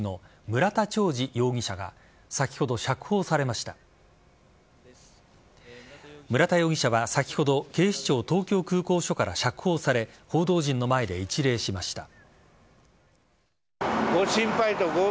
村田容疑者は先ほど警視庁東京空港署から釈放され報道陣の前で一礼しました。